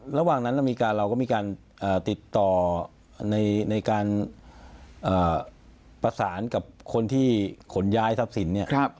ระหว่างนั้นเราก็มีการติดต่อในการประสานกับคนที่ขนย้ายทรัพย์สินเนี่ย